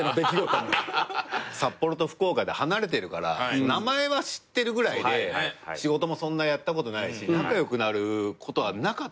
札幌と福岡で離れてるから名前は知ってるぐらいで仕事もそんなやったことないし仲良くなることはなかった。